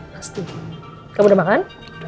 pasti kamu udah makan